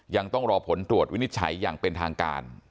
ยังต้องรอผลตรวจวินิจฉัยอย่างเป็นทางการ